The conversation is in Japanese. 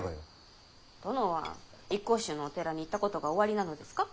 殿は一向宗のお寺に行ったことがおありなのですか？